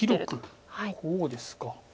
こうですか。